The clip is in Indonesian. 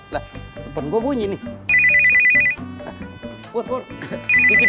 lepon gue bunyi nih